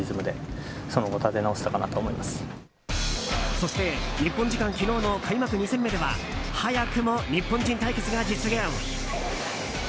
そして、日本時間昨日の開幕２戦目では早くも日本人対決が実現。